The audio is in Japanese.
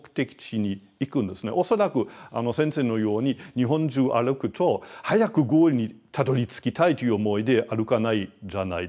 恐らく先生のように日本中歩くと早くゴールにたどりつきたいという思いで歩かないじゃないですか。